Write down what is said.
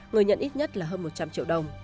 người nhận ít nhất là hơn một trăm linh triệu đồng